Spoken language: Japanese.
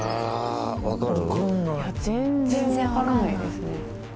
全然わからないですね。